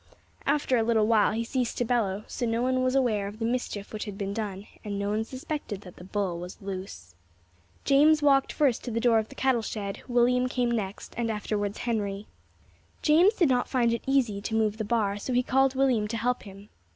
After a little while he ceased to bellow, so no one was aware of the mischief which had been done, and no one suspected that the bull was loose. James walked first to the door of the cattle shed, William came next, and afterwards Henry. James did not find it easy to move the bar, so he called William to help him.